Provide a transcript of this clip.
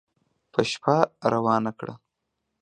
په شپه روانه کړه